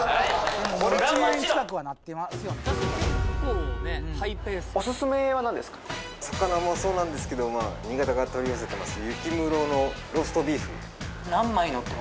そりゃもちろん魚もそうなんですけど新潟から取り寄せてます